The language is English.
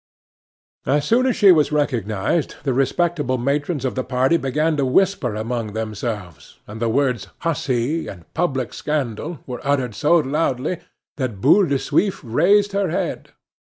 As soon as she was recognized the respectable matrons of the party began to whisper among themselves, and the words "hussy" and "public scandal" were uttered so loudly that Boule de Suif raised her head.